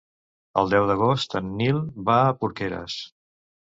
El deu d'agost en Nil va a Porqueres.